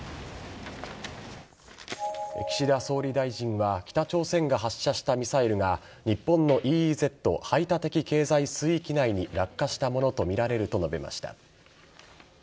岸田総理大臣は北朝鮮が発射したミサイルが日本のＥＥＺ＝排他的経済水域内に落下したものとみられると述べました。